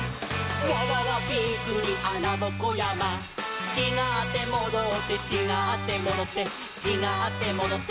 「わわわびっくりあなぼこやま」「ちがってもどって」「ちがってもどってちがってもどって」